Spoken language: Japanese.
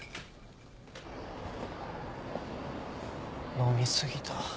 飲み過ぎた。